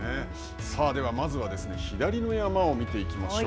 さあでは、まずは、左の山を見ていきましょう。